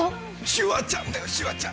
シュワちゃんだよシュワちゃん！